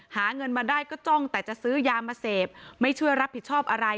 หาเงินมาได้ก็จ้องแต่จะซื้อยามาเสพไม่ช่วยรับผิดชอบอะไร